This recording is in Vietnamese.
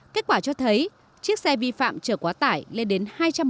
kết quả cho thấy chiếc xe vi phạm trở quá tải lên đến hai trăm một mươi